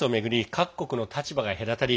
各国の立場が隔たり